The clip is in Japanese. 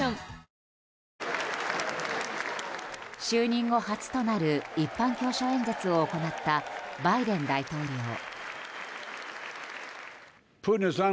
就任後初となる一般教書演説を行ったバイデン大統領。